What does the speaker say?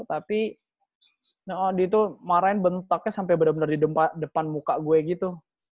tapi dia tuh marahin bentaknya sampai benar benar di depan muka gue gitu